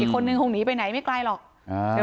คนนึงคงหนีไปไหนไม่ไกลหรอก